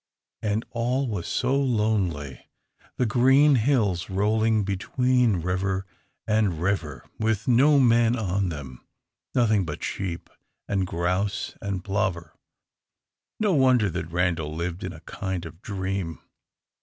And all was so lonely; the green hills rolling between river and river, with no men on them, nothing but sheep, and grouse, and plover. No wonder that Randal lived in a kind of dream.